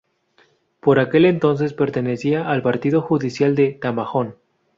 Por aquel entonces pertenecía al partido judicial de Tamajón.